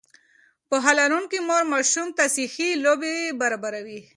پوهه لرونکې مور ماشوم ته صحي لوبې برابروي.